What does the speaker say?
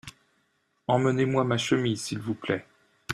Emmenez-moi ma chemise s’il vous plait.